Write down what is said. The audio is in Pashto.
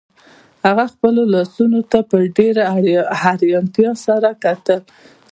هغه خپلو لاسونو ته په ډیره حیرانتیا سره کتل